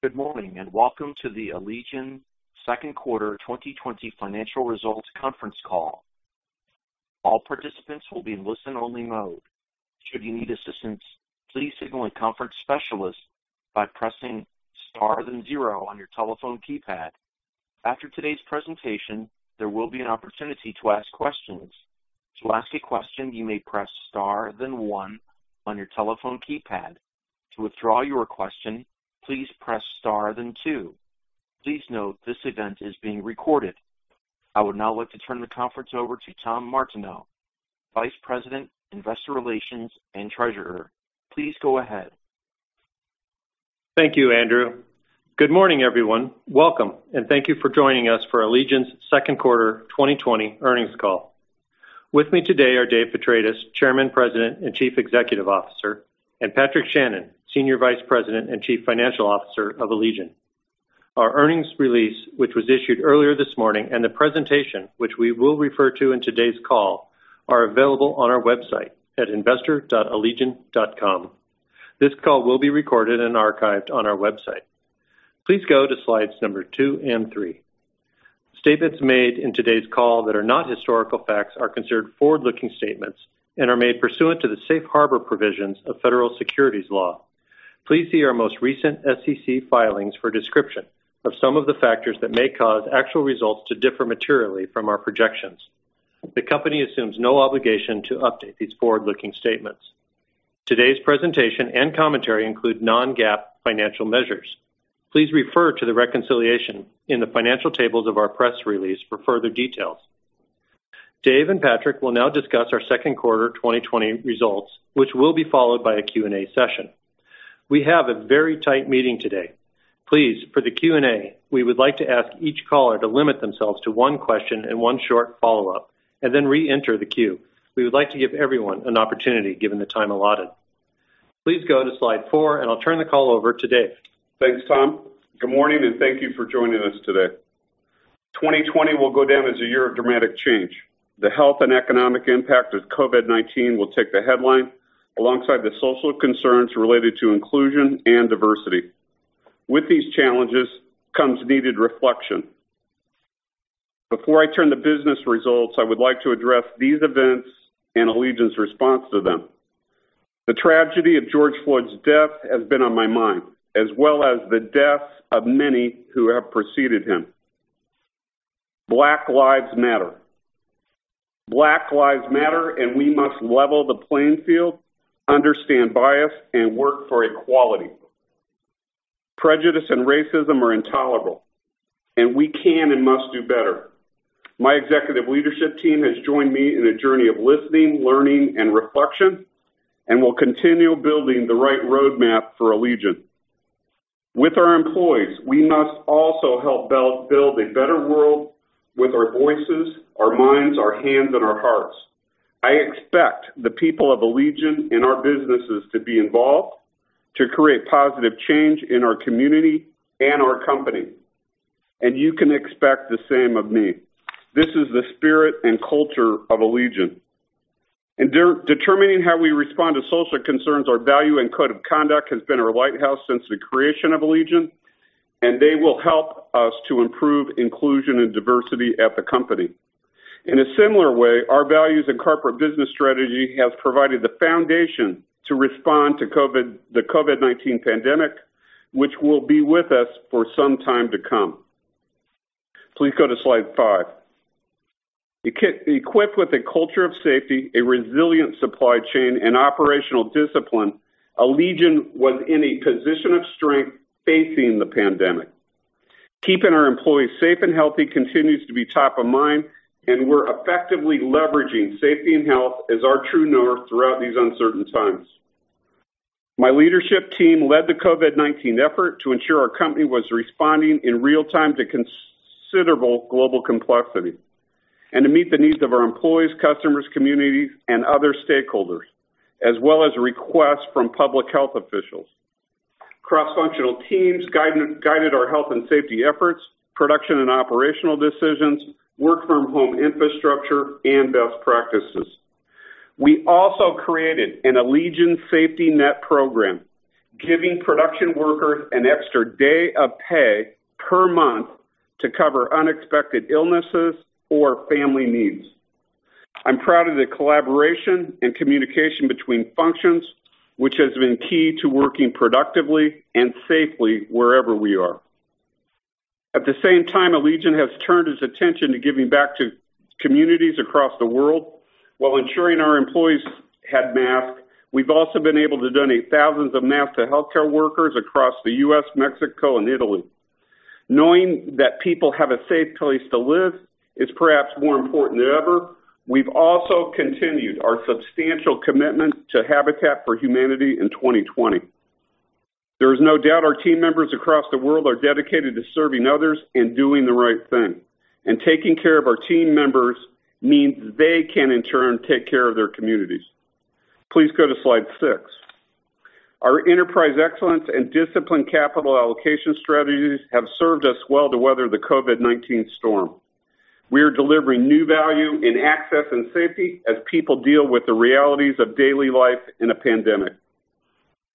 Good morning, welcome to the Allegion Second Quarter 2020 Financial Results Conference Call. All participants will be in listen-only mode. Should you need assistance, please signal a conference specialist by pressing star then zero on your telephone keypad. After today's presentation, there will be an opportunity to ask questions. To ask a question, you may press star then one on your telephone keypad. To withdraw your question, please press star then two. Please note this event is being recorded. I would now like to turn the conference over to Tom Martineau, Vice President, Investor Relations, and Treasurer. Please go ahead. Thank you, Andrew. Good morning, everyone. Welcome, and thank you for joining us for Allegion's Second Quarter 2020 Earnings Call. With me today are Dave Petratis, Chairman, President, and Chief Executive Officer, and Patrick Shannon, Senior Vice President and Chief Financial Officer of Allegion. Our earnings release, which was issued earlier this morning, and the presentation, which we will refer to in today's call, are available on our website at investor.allegion.com. This call will be recorded and archived on our website. Please go to slides number two and three. Statements made in today's call that are not historical facts are considered forward-looking statements and are made pursuant to the safe harbor provisions of federal securities law. Please see our most recent SEC filings for a description of some of the factors that may cause actual results to differ materially from our projections. The company assumes no obligation to update these forward-looking statements. Today's presentation and commentary include non-GAAP financial measures. Please refer to the reconciliation in the financial tables of our press release for further details. Dave and Patrick will now discuss our second quarter 2020 results, which will be followed by a Q&A session. We have a very tight meeting today. Please, for the Q&A, we would like to ask each caller to limit themselves to one question and one short follow-up, and then re-enter the queue. We would like to give everyone an opportunity given the time allotted. Please go to slide four, and I'll turn the call over to Dave. Thanks, Tom. Good morning, and thank you for joining us today. 2020 will go down as a year of dramatic change. The health and economic impact of COVID-19 will take the headline alongside the social concerns related to inclusion and diversity. With these challenges comes needed reflection. Before I turn to business results, I would like to address these events and Allegion's response to them. The tragedy of George Floyd's death has been on my mind, as well as the deaths of many who have preceded him. Black Lives Matter. We must level the playing field, understand bias, and work for equality. Prejudice and racism are intolerable. We can and must do better. My executive leadership team has joined me in a journey of listening, learning, and reflection, and will continue building the right roadmap for Allegion. With our employees, we must also help build a better world with our voices, our minds, our hands, and our hearts. I expect the people of Allegion and our businesses to be involved to create positive change in our community and our company, and you can expect the same of me. This is the spirit and culture of Allegion. In determining how we respond to social concerns, our value and code of conduct has been our lighthouse since the creation of Allegion, and they will help us to improve inclusion and diversity at the company. In a similar way, our values and corporate business strategy have provided the foundation to respond to the COVID-19 pandemic, which will be with us for some time to come. Please go to slide five. Equipped with a culture of safety, a resilient supply chain, and operational discipline, Allegion was in a position of strength facing the pandemic. Keeping our employees safe and healthy continues to be top of mind, and we're effectively leveraging safety and health as our true north throughout these uncertain times. My leadership team led the COVID-19 effort to ensure our company was responding in real time to considerable global complexity and to meet the needs of our employees, customers, communities, and other stakeholders, as well as requests from public health officials. Cross-functional teams guided our health and safety efforts, production and operational decisions, work-from-home infrastructure, and best practices. We also created an Allegion safety net program, giving production workers an extra day of pay per month to cover unexpected illnesses or family needs. I'm proud of the collaboration and communication between functions, which has been key to working productively and safely wherever we are. At the same time, Allegion has turned its attention to giving back to communities across the world. While ensuring our employees had masks, we've also been able to donate thousands of masks to healthcare workers across the U.S., Mexico, and Italy. Knowing that people have a safe place to live is perhaps more important than ever. We've also continued our substantial commitment to Habitat for Humanity in 2020. There is no doubt our team members across the world are dedicated to serving others and doing the right thing. Taking care of our team members means they can, in turn, take care of their communities. Please go to slide six. Our enterprise excellence and disciplined capital allocation strategies have served us well to weather the COVID-19 storm. We are delivering new value in access and safety as people deal with the realities of daily life in a pandemic.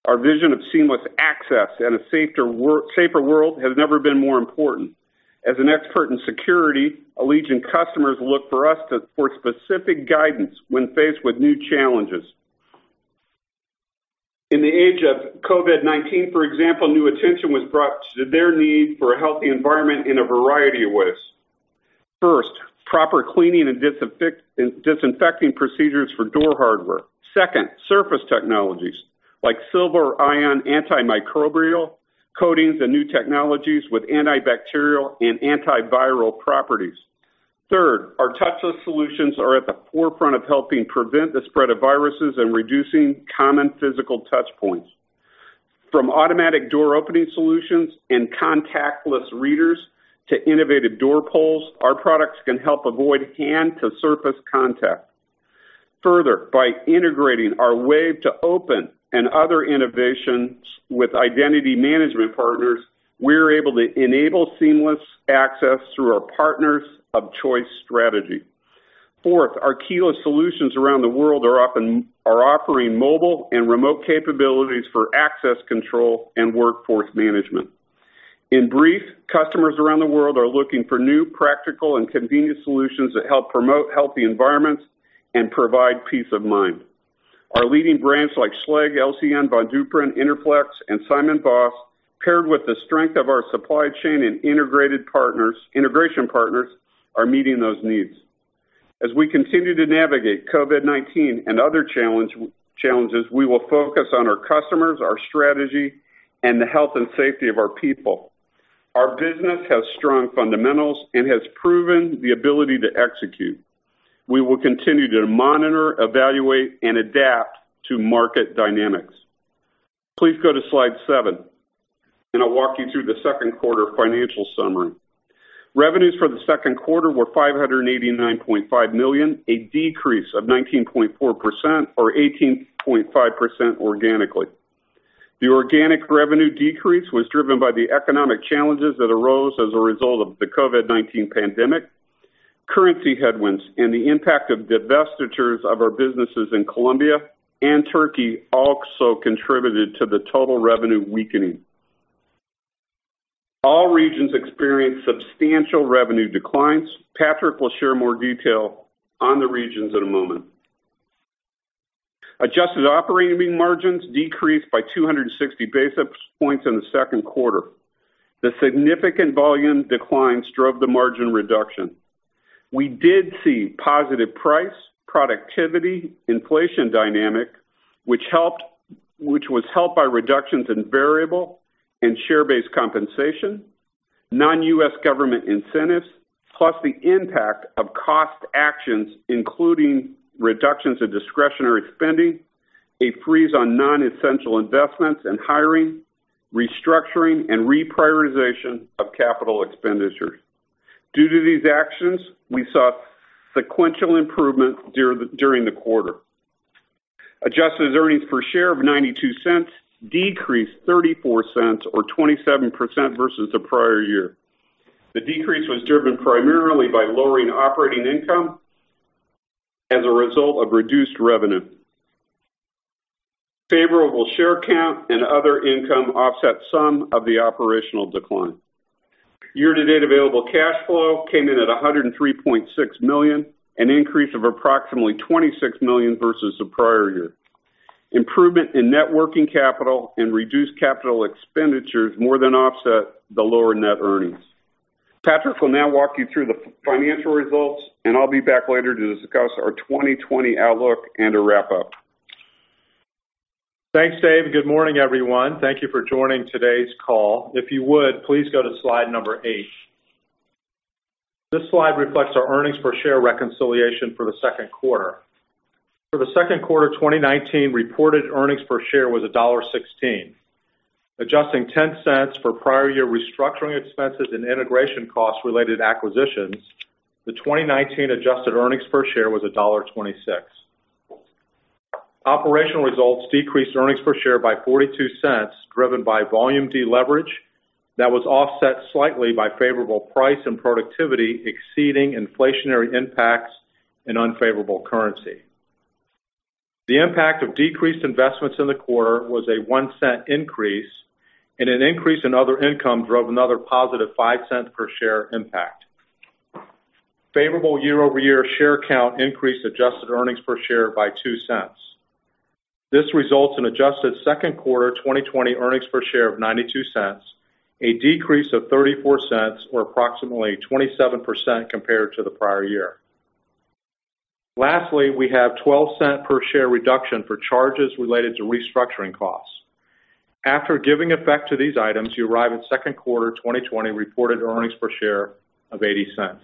Our vision of seamless access and a safer world has never been more important. As an expert in security, Allegion customers look for us for specific guidance when faced with new challenges. In the age of COVID-19, for example, new attention was brought to their need for a healthy environment in a variety of ways. First, proper cleaning and disinfecting procedures for door hardware. Second, surface technologies like silver ion antimicrobial coatings and new technologies with antibacterial and antiviral properties. Third, our touchless solutions are at the forefront of helping prevent the spread of viruses and reducing common physical touch points. From automatic door-opening solutions and contactless readers to innovative door pulls, our products can help avoid hand-to-surface contact. Further, by integrating our wave to open and other innovations with identity management partners, we're able to enable seamless access through our partners of choice strategy. Fourth, our keyless solutions around the world are offering mobile and remote capabilities for access control and workforce management. In brief, customers around the world are looking for new practical and convenient solutions that help promote healthy environments and provide peace of mind. Our leading brands like Schlage, LCN, Von Duprin, Interflex, and SimonsVoss, paired with the strength of our supply chain and integration partners, are meeting those needs. As we continue to navigate COVID-19 and other challenges, we will focus on our customers, our strategy, and the health and safety of our people. Our business has strong fundamentals and has proven the ability to execute. We will continue to monitor, evaluate, and adapt to market dynamics. Please go to slide seven, and I'll walk you through the second quarter financial summary. Revenues for the second quarter were $589.5 million, a decrease of 19.4% or 18.5% organically. The organic revenue decrease was driven by the economic challenges that arose as a result of the COVID-19 pandemic. Currency headwinds and the impact of divestitures of our businesses in Colombia and Turkey also contributed to the total revenue weakening. All regions experienced substantial revenue declines. Patrick will share more detail on the regions in a moment. Adjusted operating margins decreased by 260 basis points in the second quarter. The significant volume declines drove the margin reduction. We did see positive price, productivity, inflation dynamic, which was helped by reductions in variable and share-based compensation, non-U.S. government incentives, plus the impact of cost actions, including reductions in discretionary spending, a freeze on non-essential investments and hiring, restructuring, and reprioritization of capital expenditures. Due to these actions, we saw sequential improvement during the quarter. Adjusted earnings per share of $0.92 decreased $0.34 or 27% versus the prior year. The decrease was driven primarily by lowering operating income as a result of reduced revenue. Favorable share count and other income offset some of the operational decline. Year-to-date available cash flow came in at $103.6 million, an increase of approximately $26 million versus the prior year. Improvement in net working capital and reduced capital expenditures more than offset the lower net earnings. Patrick will now walk you through the financial results, and I'll be back later to discuss our 2020 outlook and a wrap-up. Thanks, Dave. Good morning, everyone. Thank you for joining today's call. If you would, please go to slide number eight. This slide reflects our earnings per share reconciliation for the second quarter. For the second quarter of 2019, reported earnings per share was $1.16. Adjusting $0.10 for prior year restructuring expenses and integration costs related to acquisitions, the 2019 adjusted earnings per share was $1.26. Operational results decreased earnings per share by $0.42, driven by volume deleverage that was offset slightly by favorable price and productivity exceeding inflationary impacts and unfavorable currency. The impact of decreased investments in the quarter was a $0.01 increase, and an increase in other income drove another positive $0.05 per share impact. Favorable year-over-year share count increased adjusted earnings per share by $0.02. This results in adjusted second quarter 2020 earnings per share of $0.92, a decrease of $0.34 or approximately 27% compared to the prior year. Lastly, we have $0.12 per share reduction for charges related to restructuring costs. After giving effect to these items, you arrive at second quarter 2020 reported earnings per share of $0.80.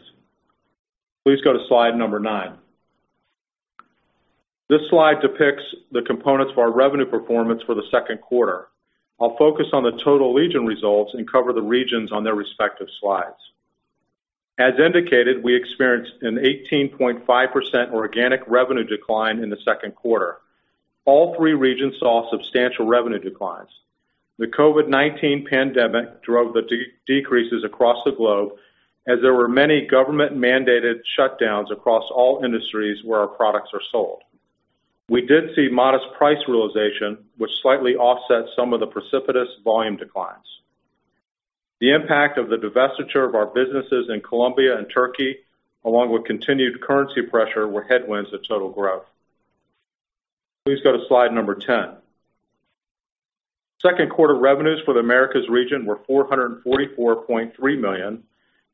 Please go to slide number nine. This slide depicts the components of our revenue performance for the second quarter. I'll focus on the total Allegion results and cover the regions on their respective slides. As indicated, we experienced an 18.5% organic revenue decline in the second quarter. All three regions saw substantial revenue declines. The COVID-19 pandemic drove the decreases across the globe, as there were many government-mandated shutdowns across all industries where our products are sold. We did see modest price realization, which slightly offset some of the precipitous volume declines. The impact of the divestiture of our businesses in Colombia and Turkey, along with continued currency pressure, were headwinds to total growth. Please go to slide number 10. Second quarter revenues for the Americas region were $444.3 million,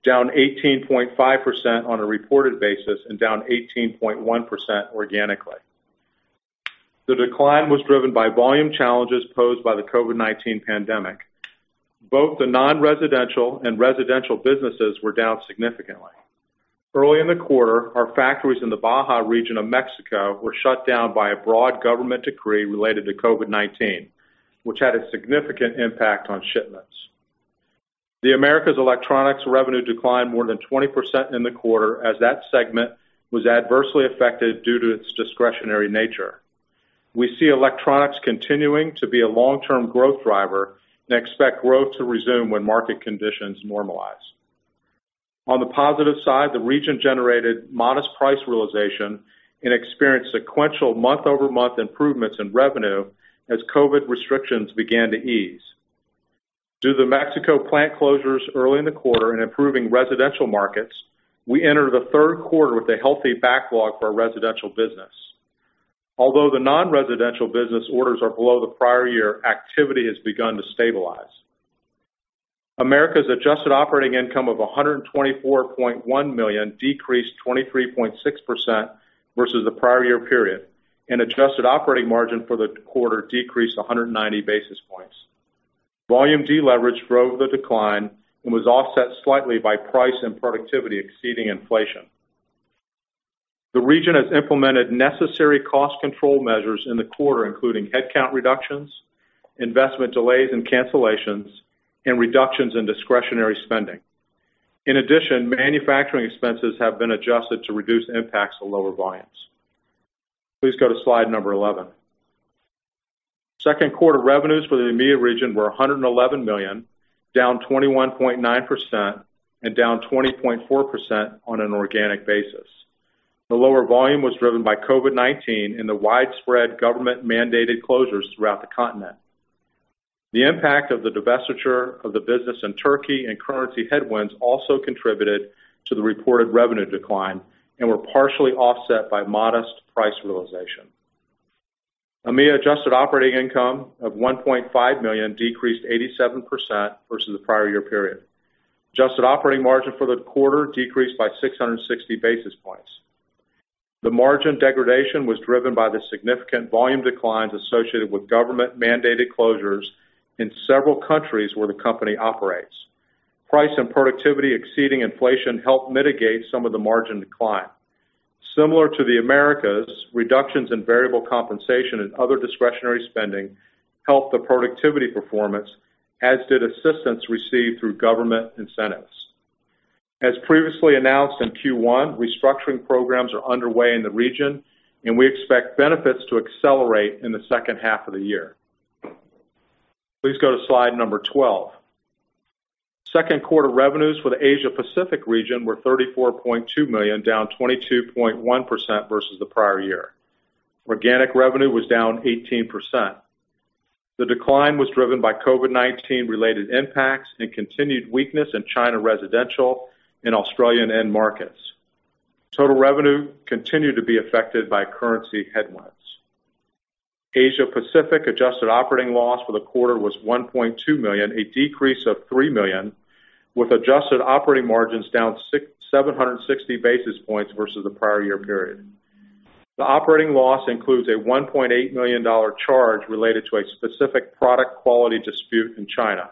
down 18.5% on a reported basis and down 18.1% organically. The decline was driven by volume challenges posed by the COVID-19 pandemic. Both the non-residential and residential businesses were down significantly. Early in the quarter, our factories in the Baja region of Mexico were shut down by a broad government decree related to COVID-19, which had a significant impact on shipments. The Americas electronics revenue declined more than 20% in the quarter, as that segment was adversely affected due to its discretionary nature. We see electronics continuing to be a long-term growth driver and expect growth to resume when market conditions normalize. On the positive side, the region generated modest price realization and experienced sequential month-over-month improvements in revenue as COVID restrictions began to ease. Due to the Mexico plant closures early in the quarter and improving residential markets, we entered the third quarter with a healthy backlog for our residential business. Although the non-residential business orders are below the prior year, activity has begun to stabilize. Americas adjusted operating income of $124.1 million decreased 23.6% versus the prior year period, and adjusted operating margin for the quarter decreased 190 basis points. Volume deleverage drove the decline and was offset slightly by price and productivity exceeding inflation. The region has implemented necessary cost control measures in the quarter, including headcount reductions, investment delays and cancellations, and reductions in discretionary spending. In addition, manufacturing expenses have been adjusted to reduce impacts to lower volumes. Please go to slide number 11. Second quarter revenues for the EMEA region were $111 million, down 21.9% and down 20.4% on an organic basis. The lower volume was driven by COVID-19 and the widespread government-mandated closures throughout the continent. The impact of the divestiture of the business in Turkey and currency headwinds also contributed to the reported revenue decline and were partially offset by modest price realization. EMEA adjusted operating income of $1.5 million decreased 87% versus the prior year period. Adjusted operating margin for the quarter decreased by 660 basis points. The margin degradation was driven by the significant volume declines associated with government-mandated closures in several countries where the company operates. Price and productivity exceeding inflation helped mitigate some of the margin decline. Similar to the Americas, reductions in variable compensation and other discretionary spending helped the productivity performance, as did assistance received through government incentives. As previously announced in Q1, restructuring programs are underway in the region, and we expect benefits to accelerate in the second half of the year. Please go to slide number 12. Second quarter revenues for the Asia Pacific region were $34.2 million, down 22.1% versus the prior year. Organic revenue was down 18%. The decline was driven by COVID-19 related impacts and continued weakness in China residential and Australian end markets. Total revenue continued to be affected by currency headwinds. Asia Pacific adjusted operating loss for the quarter was $1.2 million, a decrease of $3 million, with adjusted operating margins down 760 basis points versus the prior year period. The operating loss includes a $1.8 million charge related to a specific product quality dispute in China.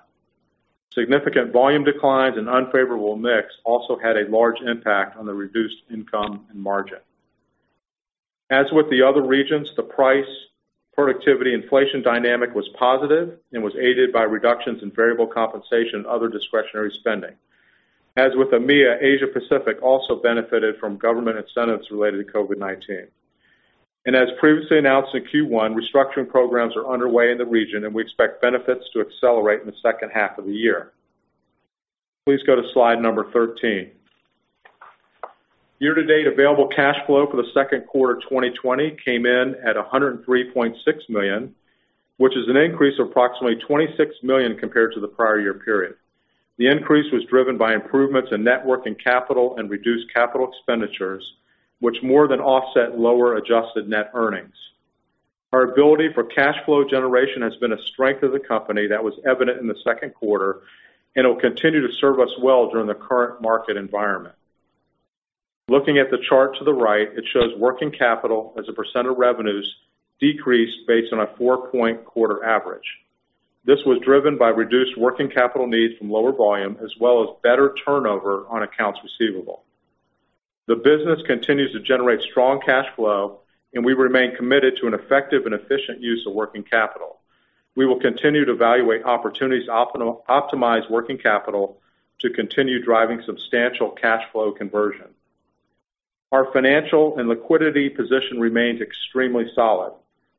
Significant volume declines and unfavorable mix also had a large impact on the reduced income and margin. As with the other regions, the price productivity inflation dynamic was positive and was aided by reductions in variable compensation and other discretionary spending. As with EMEA, Asia Pacific also benefited from government incentives related to COVID-19. As previously announced in Q1, restructuring programs are underway in the region, and we expect benefits to accelerate in the second half of the year. Please go to slide number 13. Year-to-date available cash flow for the second quarter 2020 came in at $103.6 million, which is an increase of approximately $26 million compared to the prior year period. The increase was driven by improvements in net working capital and reduced capital expenditures, which more than offset lower adjusted net earnings. Our ability for cash flow generation has been a strength of the company that was evident in the second quarter and will continue to serve us well during the current market environment. Looking at the chart to the right, it shows working capital as a percentage of revenues decreased based on a 4-point quarter average. This was driven by reduced working capital needs from lower volume as well as better turnover on accounts receivable. The business continues to generate strong cash flow, and we remain committed to an effective and efficient use of working capital. We will continue to evaluate opportunities to optimize working capital to continue driving substantial cash flow conversion. Our financial and liquidity position remains extremely solid.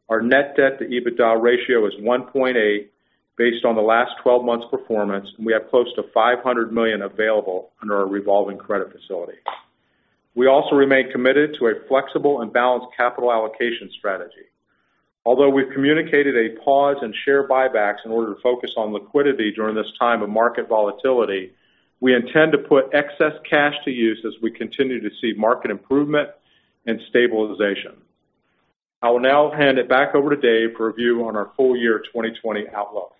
Our net debt to EBITDA ratio is 1.8 based on the last 12 months' performance, and we have close to $500 million available under our revolving credit facility. We also remain committed to a flexible and balanced capital allocation strategy. Although we've communicated a pause in share buybacks in order to focus on liquidity during this time of market volatility, we intend to put excess cash to use as we continue to see market improvement and stabilization. I will now hand it back over to Dave for a view on our full year 2020 outlook.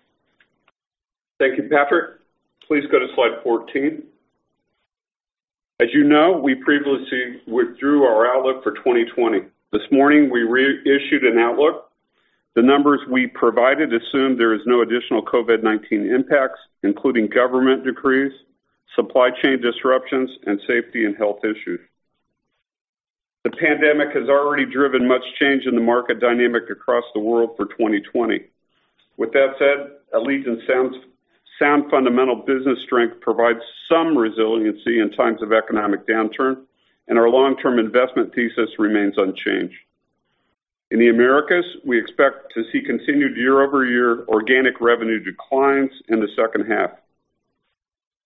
Thank you, Patrick. Please go to slide 14. As you know, we previously withdrew our outlook for 2020. This morning, we reissued an outlook. The numbers we provided assume there is no additional COVID-19 impacts, including government decrees, supply chain disruptions, and safety and health issues. The pandemic has already driven much change in the market dynamic across the world for 2020. With that said, Allegion's sound fundamental business strength provides some resiliency in times of economic downturn, our long-term investment thesis remains unchanged. In the Americas, we expect to see continued year-over-year organic revenue declines in the second half.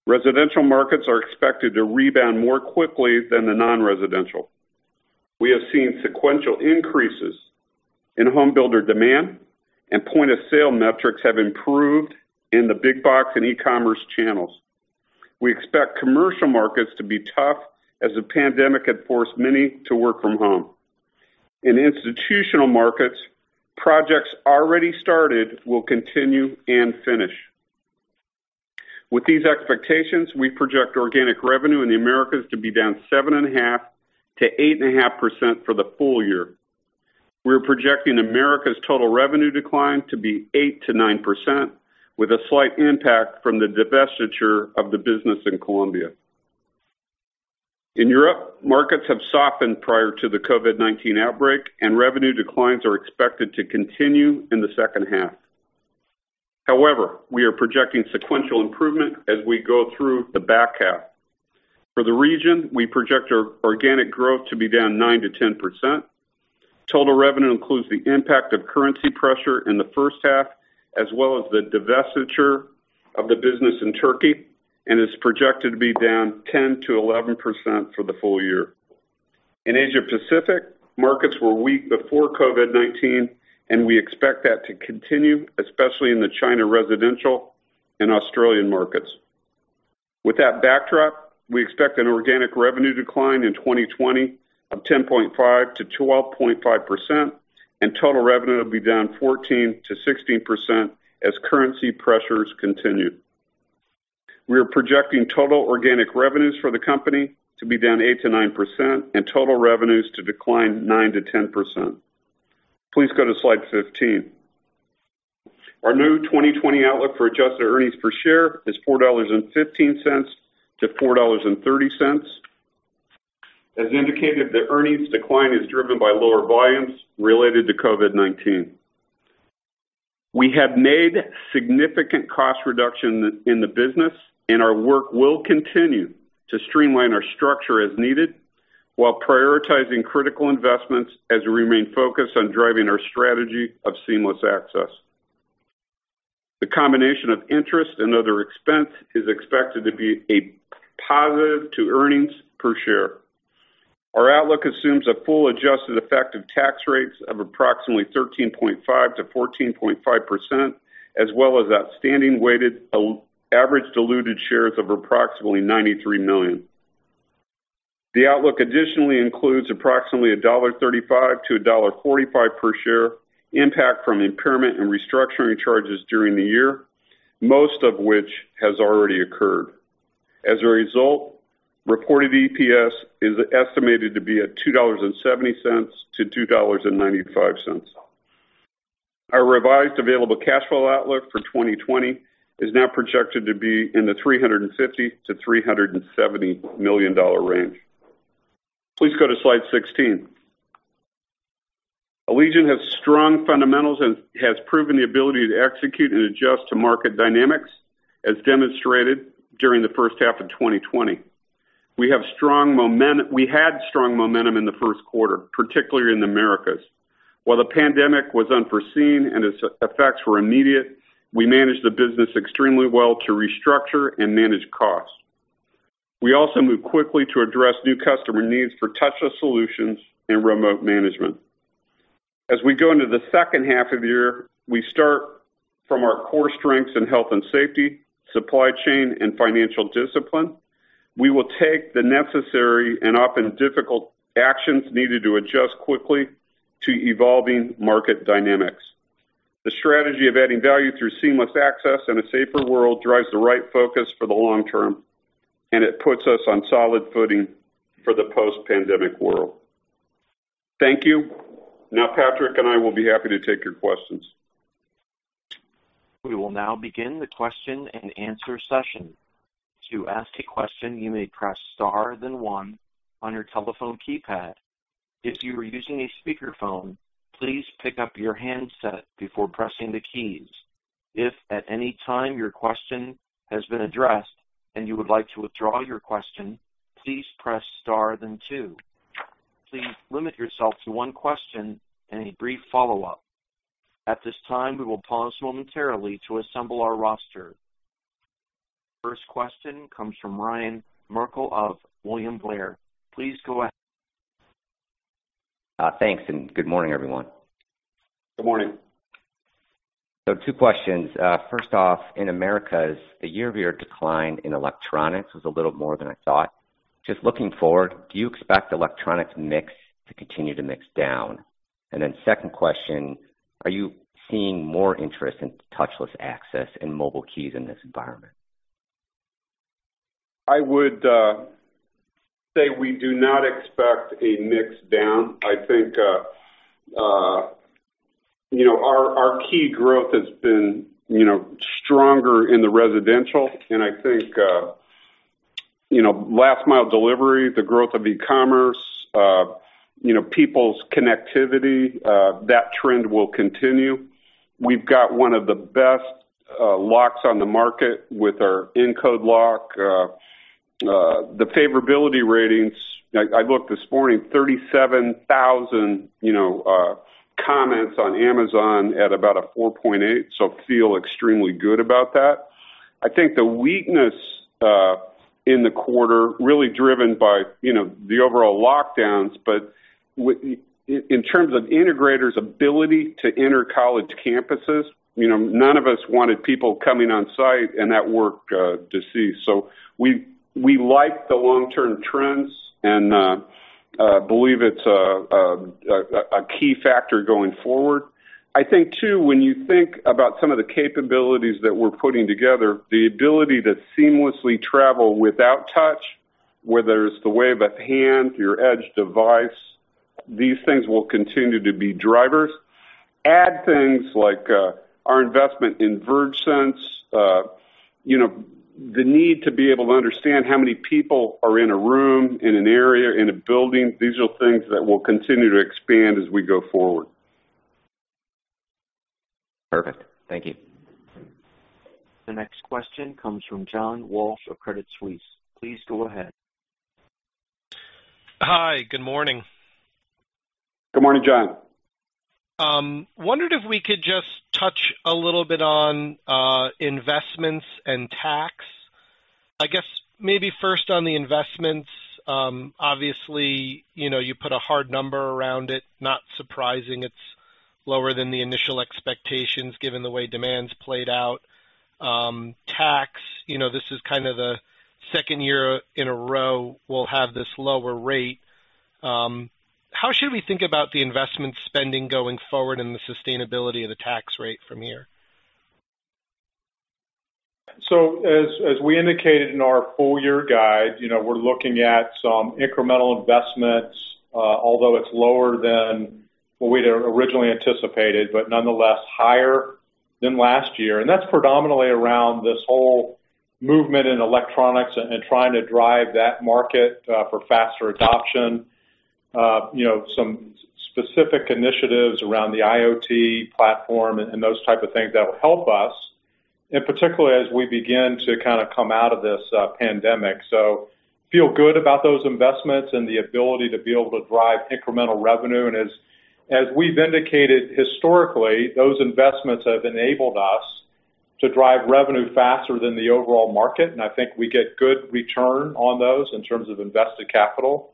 Residential markets are expected to rebound more quickly than the non-residential. We have seen sequential increases in home builder demand, point-of-sale metrics have improved in the big box and e-commerce channels. We expect commercial markets to be tough as the pandemic had forced many to work from home. In institutional markets, projects already started will continue and finish. With these expectations, we project organic revenue in the Americas to be down 7.5% to 8.5% for the full year. We are projecting Americas' total revenue decline to be 8% to 9%, with a slight impact from the divestiture of the business in Colombia. In Europe, markets have softened prior to the COVID-19 outbreak, and revenue declines are expected to continue in the second half. We are projecting sequential improvement as we go through the back half. For the region, we project our organic growth to be down 9% to 10%. Total revenue includes the impact of currency pressure in the first half, as well as the divestiture of the business in Turkey, and is projected to be down 10% to 11% for the full year. In Asia-Pacific, markets were weak before COVID-19, and we expect that to continue, especially in the China residential and Australian markets. With that backdrop, we expect an organic revenue decline in 2020 of 10.5% to 12.5%, and total revenue to be down 14% to 16% as currency pressures continue. We are projecting total organic revenues for the company to be down 8% to 9%, and total revenues to decline 9% to 10%. Please go to slide 15. Our new 2020 outlook for adjusted earnings per share is $4.15-$4.30. As indicated, the earnings decline is driven by lower volumes related to COVID-19. We have made significant cost reductions in the business, and our work will continue to streamline our structure as needed while prioritizing critical investments as we remain focused on driving our strategy of seamless access. The combination of interest and other expense is expected to be a positive to earnings per share. Our outlook assumes a full adjusted effective tax rates of approximately 13.5%-14.5%, as well as outstanding weighted average diluted shares of approximately 93 million. The outlook additionally includes approximately $1.35-$1.45 per share impact from impairment and restructuring charges during the year, most of which has already occurred. As a result, reported EPS is estimated to be at $2.70-$2.95. Our revised available cash flow outlook for 2020 is now projected to be in the $350-$370 million range. Please go to slide 16. Allegion has strong fundamentals and has proven the ability to execute and adjust to market dynamics, as demonstrated during the first half of 2020. We had strong momentum in the first quarter, particularly in the Americas. While the pandemic was unforeseen and its effects were immediate, we managed the business extremely well to restructure and manage costs. We also moved quickly to address new customer needs for touchless solutions and remote management. As we go into the second half of the year, we start from our core strengths in health and safety, supply chain, and financial discipline. We will take the necessary and often difficult actions needed to adjust quickly to evolving market dynamics. The strategy of adding value through seamless access and a safer world drives the right focus for the long term, and it puts us on solid footing for the post-pandemic world. Thank you. Now, Patrick and I will be happy to take your questions. First question comes from Ryan Merkel of William Blair. Please go ahead. Thanks, good morning, everyone. Good morning. Two questions. First off, in Americas, the year-over-year decline in electronics was a little more than I thought. Just looking forward, do you expect electronics mix to continue to mix down? Second question, are you seeing more interest in touchless access and mobile keys in this environment? I would say we do not expect a mix down. I think our key growth has been stronger in the residential, and I think last mile delivery, the growth of e-commerce, people's connectivity, that trend will continue. We've got one of the best locks on the market with our Schlage Encode lock. The favorability ratings, I looked this morning, 37,000 comments on Amazon at about a 4.8, so feel extremely good about that. I think the weakness in the quarter really driven by the overall lockdowns, but in terms of integrators ability to enter college campuses, none of us wanted people coming on site and that work ceased. We like the long-term trends and believe it's a key factor going forward. When you think about some of the capabilities that we're putting together, the ability to seamlessly travel without touch, whether it's the wave of hand, your edge device, these things will continue to be drivers. Add things like our investment in VergeSense, the need to be able to understand how many people are in a room, in an area, in a building. These are things that will continue to expand as we go forward. Perfect. Thank you. The next question comes from John Walsh of Credit Suisse. Please go ahead. Hi. Good morning. Good morning, John. Wondered if we could just touch a little bit on investments and tax. I guess maybe first on the investments, obviously, you put a hard number around it, not surprising it's lower than the initial expectations given the way demand's played out. Tax, this is kind of the second year in a row we'll have this lower rate. How should we think about the investment spending going forward and the sustainability of the tax rate from here? As we indicated in our full year guide, we're looking at some incremental investments, although it's lower than what we'd originally anticipated, but nonetheless higher than last year. That's predominantly around this whole movement in electronics and trying to drive that market for faster adoption. Some specific initiatives around the IoT platform and those type of things that will help us, and particularly as we begin to kind of come out of this pandemic. Feel good about those investments and the ability to be able to drive incremental revenue. As we've indicated historically, those investments have enabled us to drive revenue faster than the overall market, and I think we get good return on those in terms of invested capital.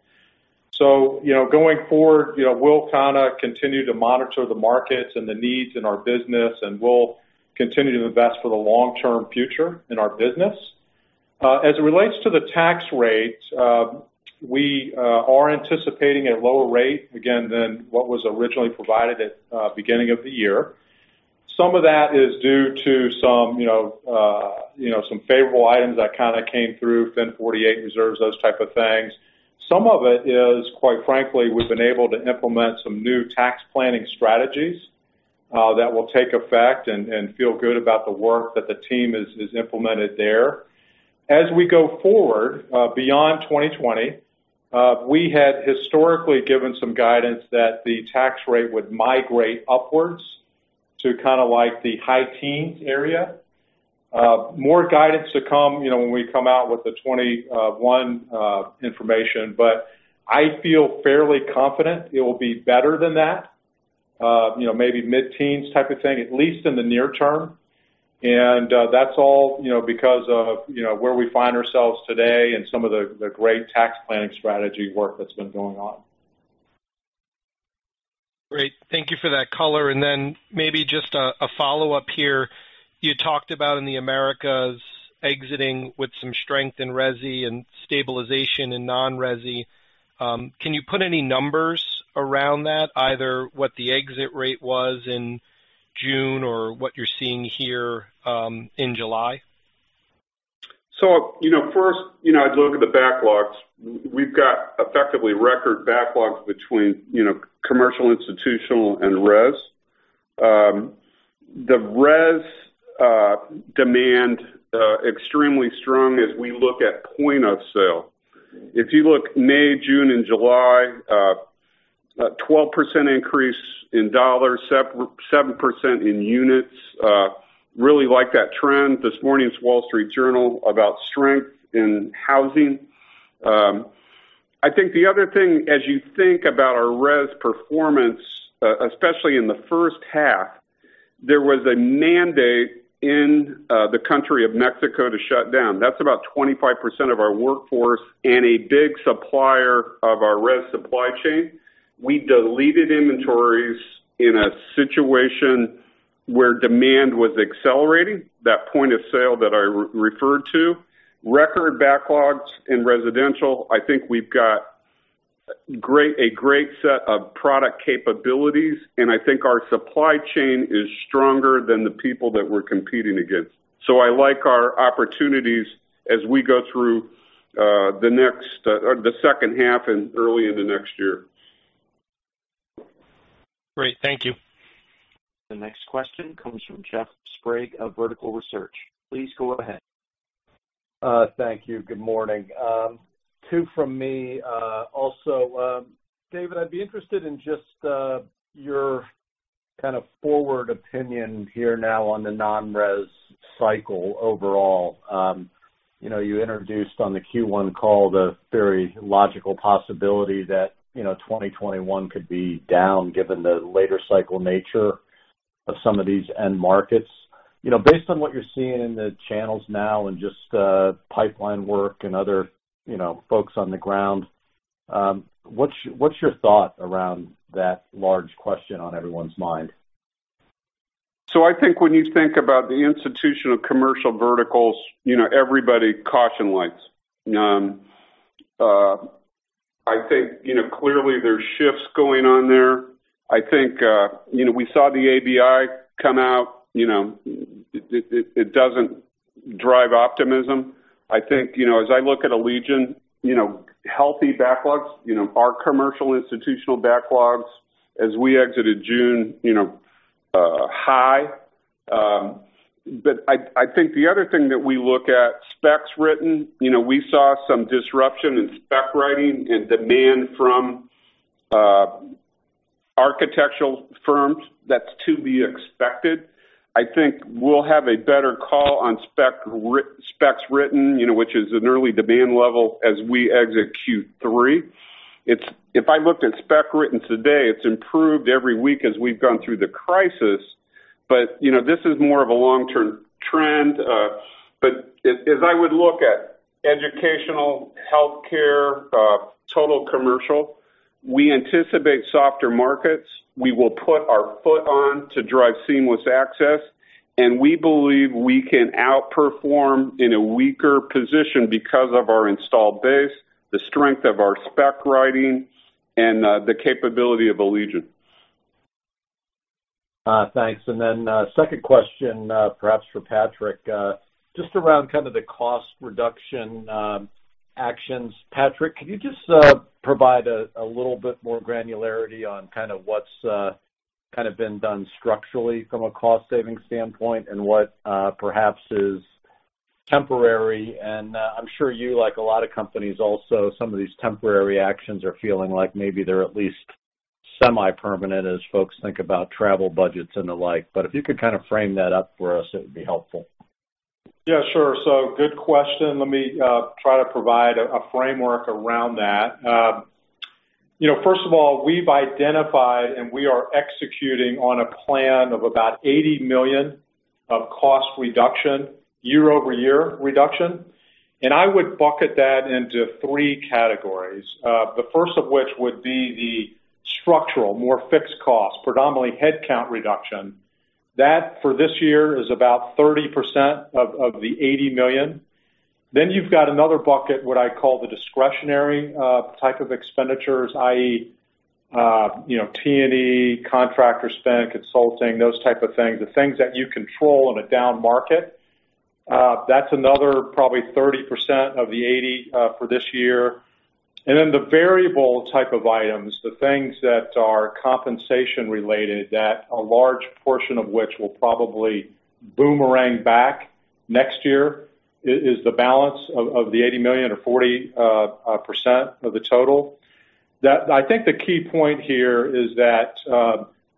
Going forward, we'll kind of continue to monitor the markets and the needs in our business, and we'll continue to invest for the long-term future in our business. As it relates to the tax rate, we are anticipating a lower rate again than what was originally provided at beginning of the year. Some of that is due to some favorable items that kind of came through FIN 48 reserves, those type of things. Some of it is, quite frankly, we've been able to implement some new tax planning strategies that will take effect and feel good about the work that the team has implemented there. We go forward, beyond 2020, we had historically given some guidance that the tax rate would migrate upwards to kind of like the high teens area. More guidance to come when we come out with the 2021 information, I feel fairly confident it will be better than that. Maybe mid-teens type of thing, at least in the near term. That's all because of where we find ourselves today and some of the great tax planning strategy work that's been going on. Great. Thank you for that color. Maybe just a follow-up here. You talked about in the Americas exiting with some strength in resi and stabilization in non-resi. Can you put any numbers around that, either what the exit rate was in June or what you're seeing here in July? First, I'd look at the backlogs. We've got effectively record backlogs between commercial, institutional, and res. The res demand extremely strong as we look at point of sale. If you look May, June, and July, 12% increase in dollars, 7% in units. Really like that trend. This morning's Wall Street Journal about strength in housing. I think the other thing, as you think about our res performance, especially in the first half, there was a mandate in the country of Mexico to shut down. That's about 25% of our workforce and a big supplier of our res supply chain. We deleted inventories in a situation where demand was accelerating, that point of sale that I referred to. Record backlogs in residential. I think we've got a great set of product capabilities, and I think our supply chain is stronger than the people that we're competing against. I like our opportunities as we go through the second half and early in the next year. Great. Thank you. The next question comes from Jeff Sprague of Vertical Research. Please go ahead. Thank you. Good morning. Two from me. Also, Dave, I'd be interested in just your kind of forward opinion here now on the non-res cycle overall. You introduced on the Q1 call the very logical possibility that 2021 could be down given the later cycle nature of some of these end markets. Based on what you're seeing in the channels now and just pipeline work and other folks on the ground, what's your thought around that large question on everyone's mind? I think when you think about the institution of commercial verticals, everybody caution lights. I think, clearly, there's shifts going on there. I think we saw the ABI come out. It doesn't drive optimism. I think, as I look at Allegion, healthy backlogs. Our commercial institutional backlogs as we exited June, high. I think the other thing that we look at, specs written. We saw some disruption in spec writing and demand from architectural firms. That's to be expected. I think we'll have a better call on specs written, which is an early demand level as we exit Q3. If I looked at spec written today, it's improved every week as we've gone through the crisis, but this is more of a long-term trend. As I would look at educational, healthcare, total commercial, we anticipate softer markets. We will put our foot on to drive seamless access, and we believe we can outperform in a weaker position because of our installed base, the strength of our spec writing, and the capability of Allegion. Thanks. Then, second question, perhaps for Patrick, just around kind of the cost reduction actions. Patrick, could you just provide a little bit more granularity on kind of what's kind of been done structurally from a cost-saving standpoint and what perhaps is temporary? I'm sure you, like a lot of companies also, some of these temporary actions are feeling like maybe they're at least semi-permanent as folks think about travel budgets and the like. If you could kind of frame that up for us, it would be helpful. Yeah, sure. Good question. Let me try to provide a framework around that. First of all, we've identified and we are executing on a plan of about $80 million of cost reduction, year-over-year reduction, and I would bucket that into three categories. The first of which would be the structural, more fixed cost, predominantly headcount reduction. That, for this year, is about 30% of the $80 million. You've got another bucket, what I call the discretionary type of expenditures, i.e., T&E, contractor spend, consulting, those type of things, the things that you control in a down market. That's another probably 30% of the $80 million for this year. The variable type of items, the things that are compensation-related, that a large portion of which will probably boomerang back next year, is the balance of the $80 million or 40% of the total. I think the key point here is that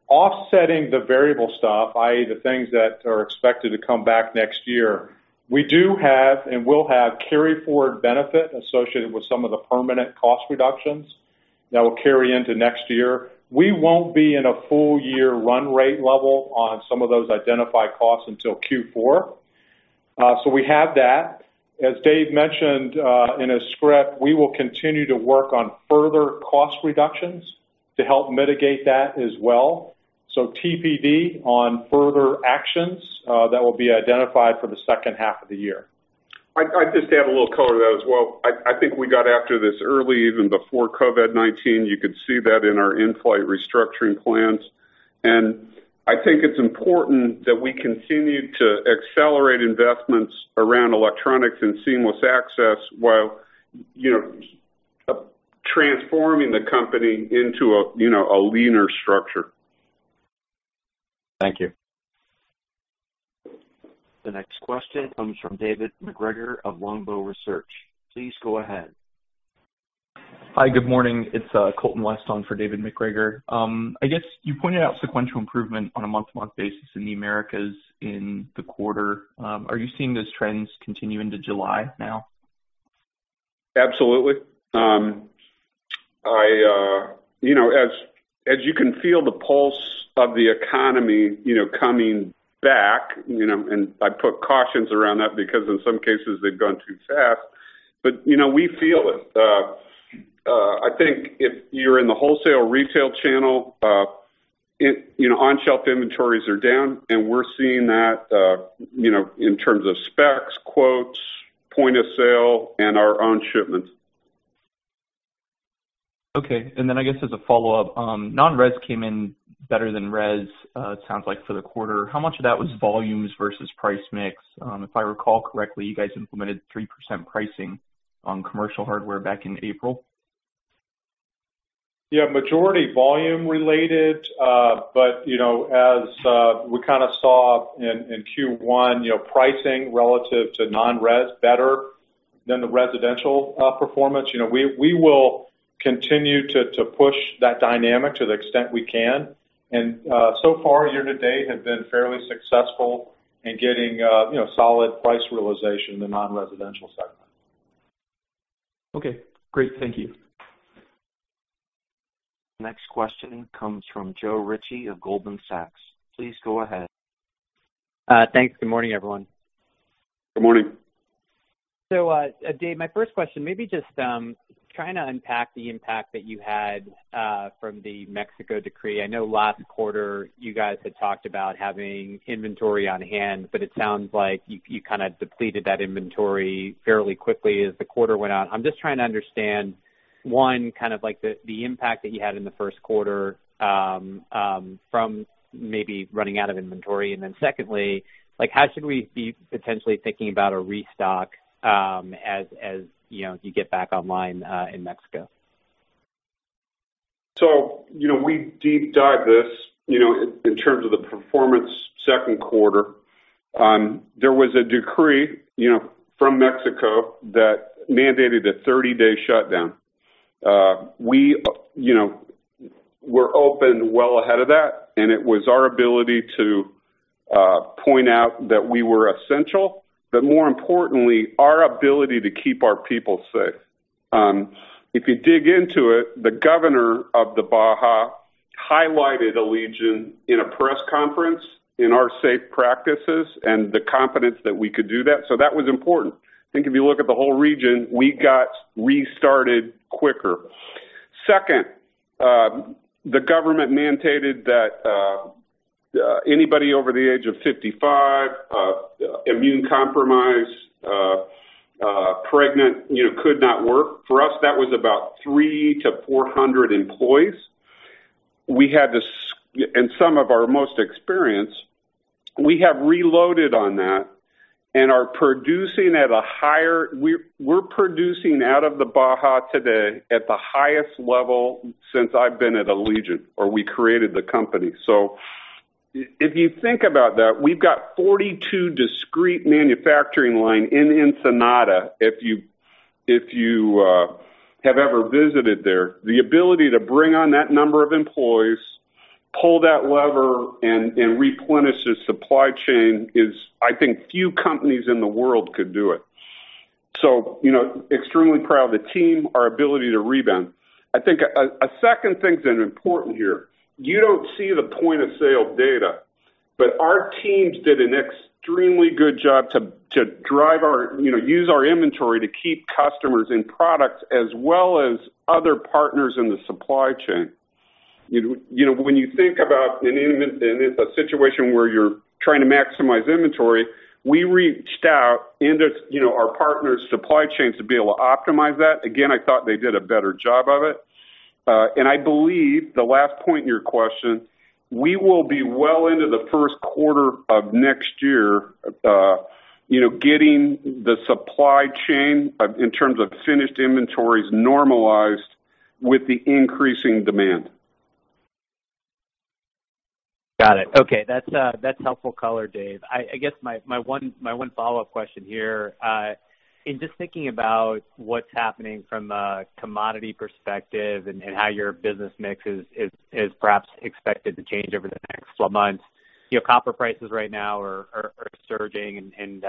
offsetting the variable stuff, i.e., the things that are expected to come back next year, we do have and will have carry forward benefit associated with some of the permanent cost reductions that will carry into next year. We won't be in a full year run rate level on some of those identified costs until Q4. We have that. As Dave mentioned in his script, we will continue to work on further cost reductions to help mitigate that as well. TBD on further actions that will be identified for the second half of the year. I'd just add a little color to that as well. I think we got after this early, even before COVID-19. You could see that in our in-flight restructuring plans. I think it's important that we continue to accelerate investments around electronics and seamless access while, you know, transforming the company into a leaner structure. Thank you. The next question comes from David MacGregor of Longbow Research. Please go ahead. Hi, good morning. It's Colton West on for David MacGregor. I guess you pointed out sequential improvement on a month-to-month basis in the Americas in the quarter. Are you seeing those trends continue into July now? Absolutely. As you can feel the pulse of the economy coming back, and I'd put cautions around that because in some cases they've gone too fast, but we feel it. I think if you're in the wholesale retail channel, on-shelf inventories are down, and we're seeing that in terms of specs, quotes, point of sale, and our own shipments. Okay, I guess as a follow-up, non-res came in better than res, it sounds like, for the quarter. How much of that was volumes versus price mix? If I recall correctly, you guys implemented 3% pricing on commercial hardware back in April. Yeah, majority volume related, as we kind of saw in Q1, pricing relative to non-res better than the residential performance. We will continue to push that dynamic to the extent we can. So far, year to date has been fairly successful in getting solid price realization in the non-residential segment. Okay, great. Thank you. Next question comes from Joe Ritchie of Goldman Sachs. Please go ahead. Thanks. Good morning, everyone. Good morning. Dave, my first question, maybe just trying to unpack the impact that you had from the Mexico decree. I know last quarter you guys had talked about having inventory on hand, it sounds like you kind of depleted that inventory fairly quickly as the quarter went on. I'm just trying to understand, one, kind of like the impact that you had in the first quarter from maybe running out of inventory. Secondly, how should we be potentially thinking about a restock as you get back online in Mexico? We deep dived this in terms of the performance second quarter. There was a decree from Mexico that mandated a 30-day shutdown. We were open well ahead of that, and it was our ability to point out that we were essential, but more importantly, our ability to keep our people safe. If you dig into it, the Governor of the Baja highlighted Allegion in a press conference in our safe practices and the confidence that we could do that. That was important. I think if you look at the whole region, we got restarted quicker. Second, the government mandated that anybody over the age of 55, immune-compromised, pregnant could not work. For us, that was about 300-400 employees, and some of our most experienced. We have reloaded on that and are producing out of the Baja today at the highest level since I've been at Allegion, or we created the company. If you think about that, we've got 42 discrete manufacturing line in Ensenada, if you have ever visited there. The ability to bring on that number of employees, pull that lever and replenish the supply chain is, I think few companies in the world could do it. Extremely proud of the team, our ability to rebound. I think a second thing that important here, you don't see the point of sale data, but our teams did an extremely good job to use our inventory to keep customers in products as well as other partners in the supply chain. When you think about in a situation where you're trying to maximize inventory, we reached out into our partners' supply chains to be able to optimize that. Again, I thought they did a better job of it. I believe the last point in your question, we will be well into the first quarter of next year getting the supply chain, in terms of finished inventories, normalized with the increasing demand. Got it. Okay. That's helpful color, Dave. I guess my one follow-up question here. In just thinking about what's happening from a commodity perspective and how your business mix is perhaps expected to change over the next 12 months. Copper prices right now are surging, and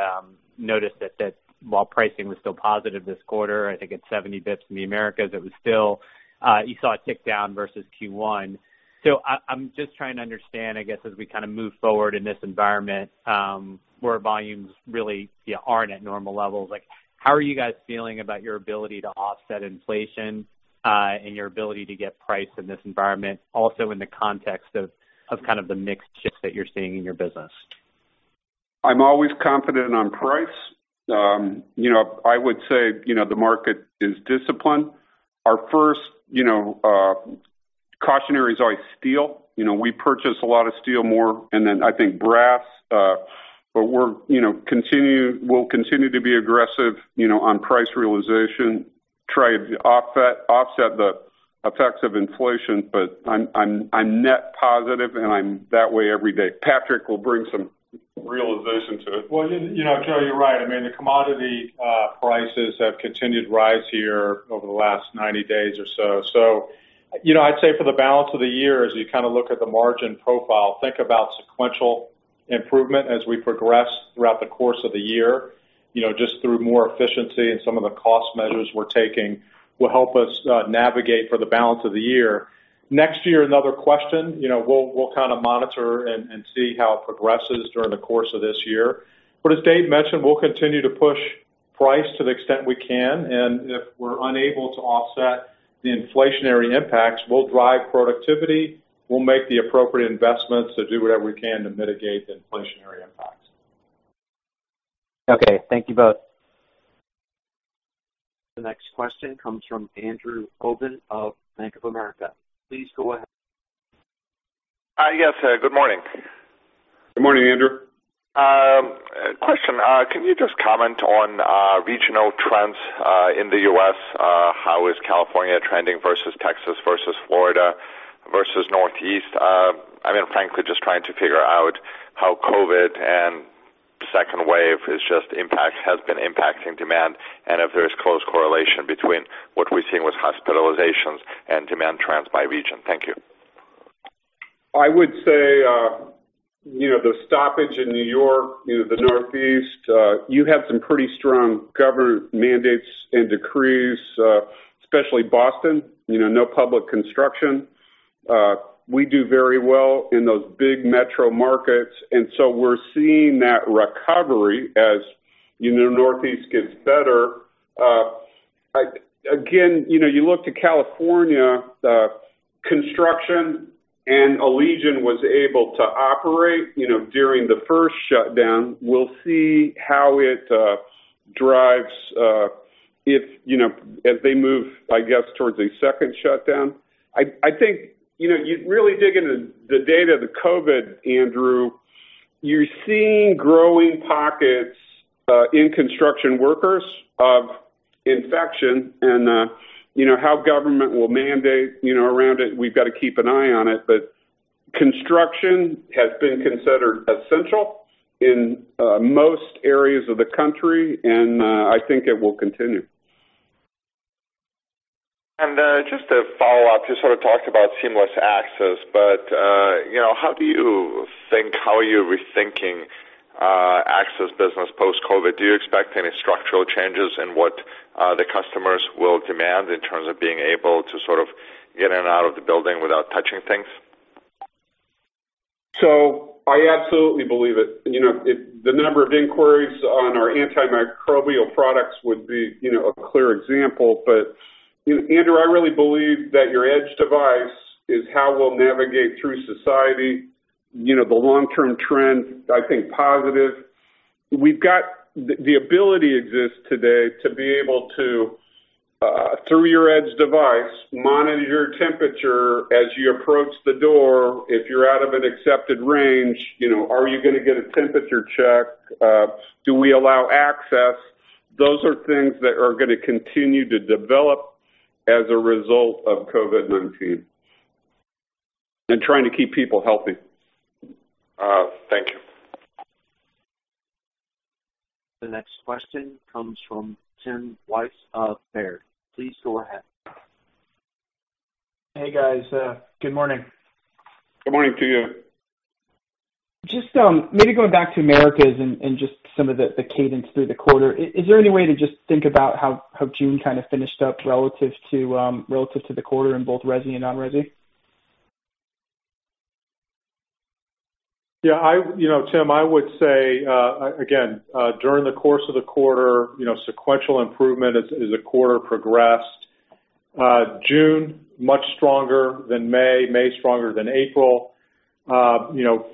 noticed that while pricing was still positive this quarter, I think it's 70 basis points in the Americas, you saw it tick down versus Q1. I'm just trying to understand, I guess, as we kind of move forward in this environment, where volumes really aren't at normal levels, how are you guys feeling about your ability to offset inflation and your ability to get price in this environment? Also in the context of kind of the mix shift that you're seeing in your business. I'm always confident on price. I would say the market is disciplined. Our first-cautionary is always steel. We purchase a lot of steel more, and then I think brass. We'll continue to be aggressive on price realization, try to offset the effects of inflation. I'm net positive, and I'm that way every day. Patrick will bring some realization to it. Joe, you're right. The commodity prices have continued rise here over the last 90 days or so. I'd say for the balance of the year, as you look at the margin profile, think about sequential improvement as we progress throughout the course of the year. Just through more efficiency and some of the cost measures we're taking will help us navigate for the balance of the year. Next year, another question. We'll monitor and see how it progresses during the course of this year. As Dave mentioned, we'll continue to push price to the extent we can, and if we're unable to offset the inflationary impacts, we'll drive productivity, we'll make the appropriate investments to do whatever we can to mitigate the inflationary impacts. Okay. Thank you both. The next question comes from Andrew Obin of Bank of America. Please go ahead. Yes. Good morning. Good morning, Andrew. Question. Can you just comment on regional trends in the U.S.? How is California trending versus Texas, versus Florida, versus Northeast? I'm frankly just trying to figure out how COVID-19 and the second wave has been impacting demand, and if there's close correlation between what we're seeing with hospitalizations and demand trends by region. Thank you. I would say, the stoppage in New York, the Northeast, you have some pretty strong government mandates and decrees, especially Boston. No public construction. We do very well in those big metro markets, so we're seeing that recovery as Northeast gets better. Again, you look to California. Construction and Allegion was able to operate during the first shutdown. We'll see how it drives as they move, I guess, towards a second shutdown. I think, you really dig into the data of the COVID, Andrew, you're seeing growing pockets in construction workers of infection, and how government will mandate around it, we've got to keep an eye on it. Construction has been considered essential in most areas of the country, and I think it will continue. Just to follow up, you sort of talked about seamless access, how are you rethinking access business post-COVID? Do you expect any structural changes in what the customers will demand in terms of being able to sort of get in and out of the building without touching things? I absolutely believe it. The number of inquiries on our antimicrobial products would be a clear example. Andrew, I really believe that your edge device is how we'll navigate through society. The long-term trend, I think, positive. The ability exists today to be able to, through your edge device, monitor your temperature as you approach the door. If you're out of an accepted range, are you going to get a temperature check? Do we allow access? Those are things that are going to continue to develop as a result of COVID-19 and trying to keep people healthy. Thank you. The next question comes from Tim Wojs of Baird. Please go ahead. Hey, guys. Good morning. Good morning to you. Just maybe going back to Americas and just some of the cadence through the quarter, is there any way to just think about how June kind of finished up relative to the quarter in both resi and non-resi? Yeah, Tim, I would say, again, during the course of the quarter, sequential improvement as the quarter progressed. June, much stronger than May. May, stronger than April.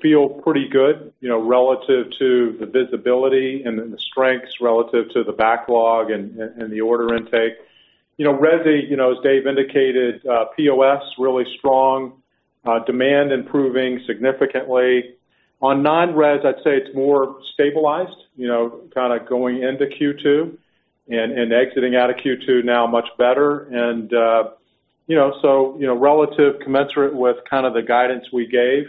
Feel pretty good relative to the visibility and the strengths relative to the backlog and the order intake. Resi, as Dave indicated, POS really strong. Demand improving significantly. On non-res, I'd say it's more stabilized, kind of going into Q2 and exiting out of Q2 now much better. Relative commensurate with kind of the guidance we gave,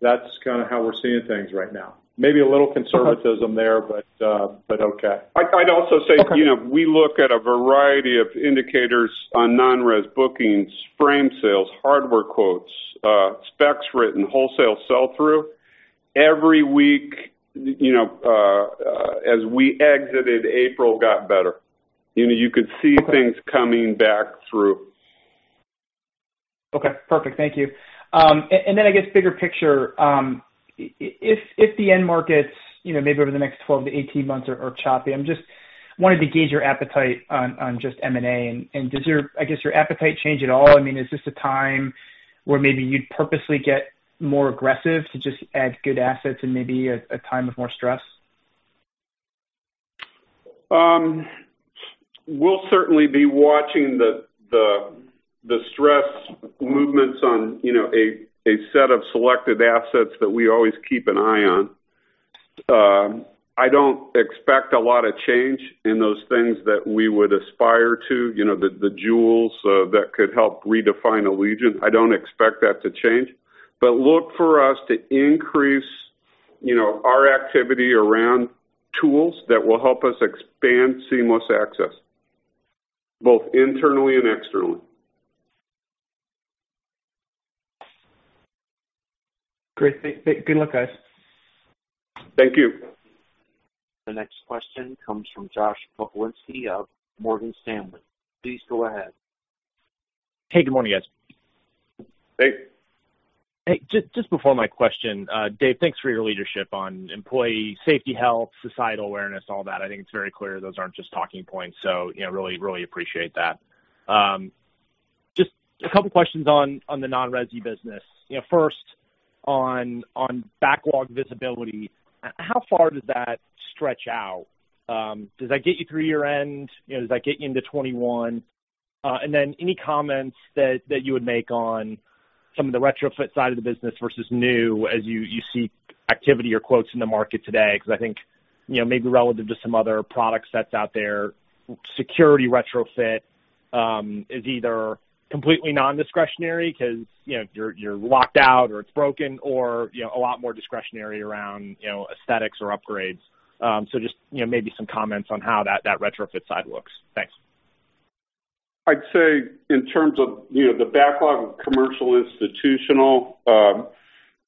that's kind of how we're seeing things right now. Maybe a little conservatism there, but okay. We look at a variety of indicators on non-res bookings, frame sales, hardware quotes, specs written, wholesale sell-through. Every week, as we exited April, got better. You could see things coming back through. Okay, perfect. Thank you. I guess bigger picture, if the end markets maybe over the next 12-18 months are choppy, I just wanted to gauge your appetite on just M&A and does your, I guess your appetite change at all? Is this a time where maybe you'd purposely get more aggressive to just add good assets in maybe a time of more stress? We'll certainly be watching the stress movements on a set of selected assets that we always keep an eye on. I don't expect a lot of change in those things that we would aspire to, the jewels that could help redefine Allegion. I don't expect that to change. But look for us to increase our activity around tools that will help us expand seamless access, both internally and externally. Great. Good luck, guys. Thank you. The next question comes from Josh Pokrzywinski of Morgan Stanley. Please go ahead. Hey, good morning, guys. Hey. Hey, just before my question, Dave, thanks for your leadership on employee safety, health, societal awareness, all that. I think it's very clear those aren't just talking points. Really appreciate that. Just two questions on the non-resi business. First, on backlog visibility, how far does that stretch out? Does that get you through year-end? Does that get you into 2021? Any comments that you would make on some of the retrofit side of the business versus new as you see activity or quotes in the market today? I think, maybe relative to some other product sets out there, security retrofit is either completely non-discretionary because you're locked out or it's broken or a lot more discretionary around aesthetics or upgrades. Just maybe some comments on how that retrofit side looks. Thanks. I'd say in terms of the backlog of commercial, institutional,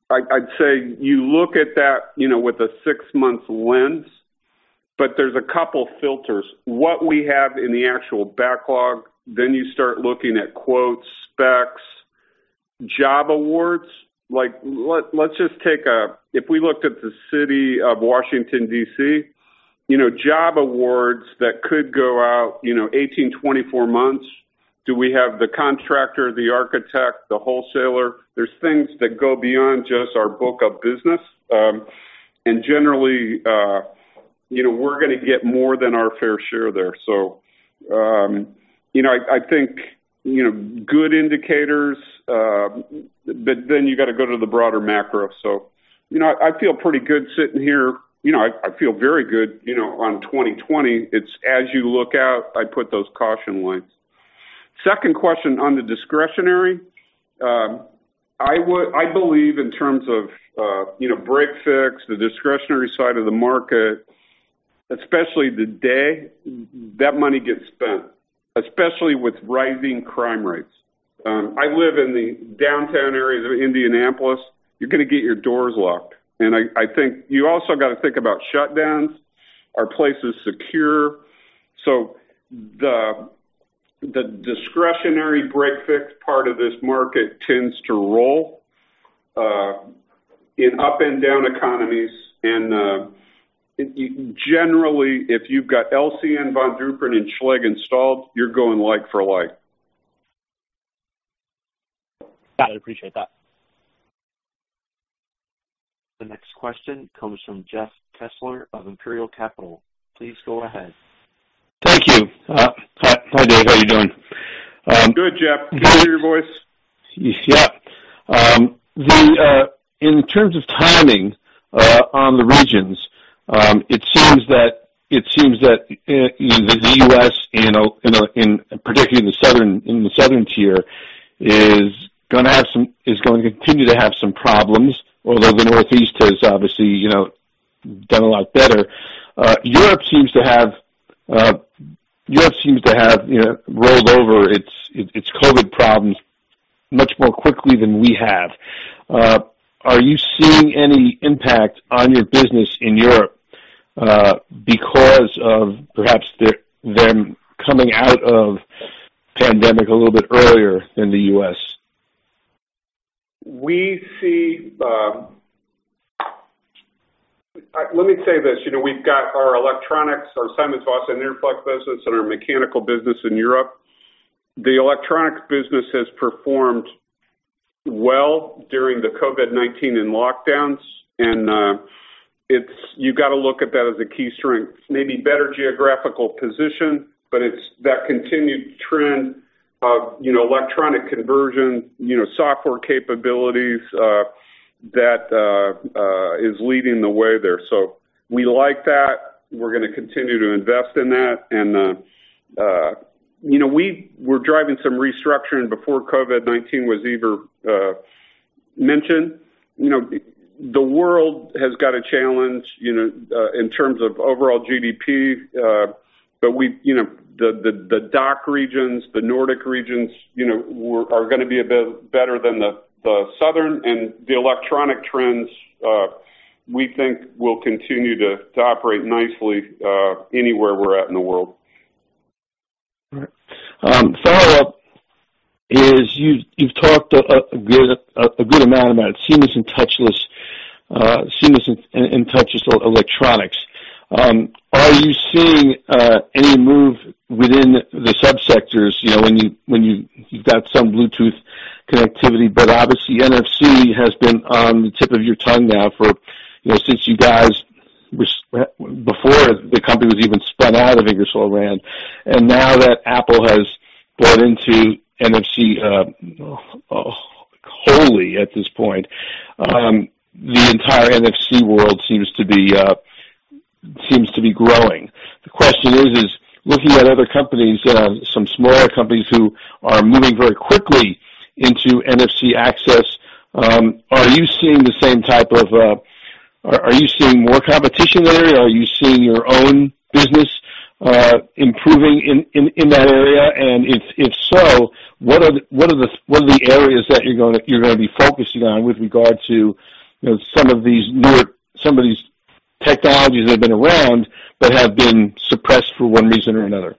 I'd say you look at that with a six-month lens. There's a couple filters. What we have in the actual backlog, you start looking at quotes, specs, job awards. If we looked at the city of Washington, D.C., job awards that could go out 18, 24 months. Do we have the contractor, the architect, the wholesaler? There's things that go beyond just our book of business. Generally, we're going to get more than our fair share there. I think good indicators, but then you got to go to the broader macro. I feel pretty good sitting here. I feel very good on 2020. It's as you look out, I'd put those caution lights. Second question on the discretionary. I believe in terms of break-fix, the discretionary side of the market, especially the day that money gets spent, especially with rising crime rates. I live in the downtown area of Indianapolis. You're going to get your doors locked. I think you also got to think about shutdowns. Are places secure? The discretionary break-fix part of this market tends to roll in up and down economies, and generally, if you've got LCN, Von Duprin and Schlage installed, you're going like for like. Got it. Appreciate that. The next question comes from Jeff Kessler of Imperial Capital. Please go ahead. Thank you. Hi, Dave. How are you doing? Good, Jeff. Can you hear your voice? Yeah. In terms of timing on the regions, it seems that the U.S. and particularly in the southern tier is going to continue to have some problems, although the Northeast has obviously done a lot better. Europe seems to have rolled over its COVID-19 problems much more quickly than we have. Are you seeing any impact on your business in Europe because of perhaps them coming out of pandemic a little bit earlier than the U.S.? Let me say this. We've got our electronics, our SimonsVoss, Interflex business and our mechanical business in Europe. The electronics business has performed well during the COVID-19 and lockdowns, and you got to look at that as a key strength. Maybe better geographical position, but it's that continued trend of electronic conversion, software capabilities, that is leading the way there. We like that. We're going to continue to invest in that. We were driving some restructuring before COVID-19 was even mentioned. The world has got a challenge in terms of overall GDP. The DACH regions, the Nordic regions are going to be a bit better than the Southern, and the electronic trends, we think will continue to operate nicely anywhere we're at in the world. All right. Follow-up is you've talked a good amount about seamless and touchless electronics. Are you seeing any move within the sub-sectors when you've got some Bluetooth connectivity, but obviously NFC has been on the tip of your tongue now since before the company was even spun out of Ingersoll Rand. Now that Apple has bought into NFC wholly at this point, the entire NFC world seems to be growing. The question is, looking at other companies, some smaller companies who are moving very quickly into NFC access, are you seeing more competition there? Are you seeing your own business improving in that area? If so, what are the areas that you're going to be focusing on with regard to some of these technologies that have been around but have been suppressed for one reason or another?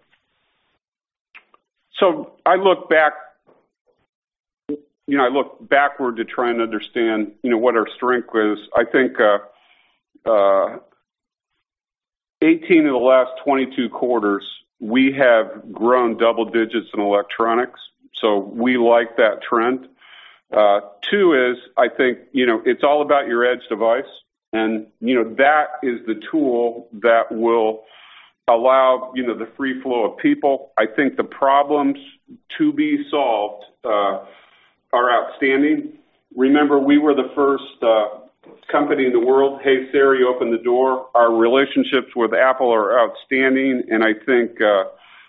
I look backward to try and understand what our strength is. I think 18 of the last 22 quarters, we have grown double digits in electronics. We like that trend. Two is, I think it's all about your edge device, and that is the tool that will allow the free flow of people. I think the problems to be solved are outstanding. Remember, we were the first company in the world, "Hey Siri, open the door." Our relationships with Apple are outstanding, and I think